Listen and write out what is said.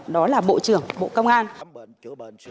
đó là bộ trưởng bộ công an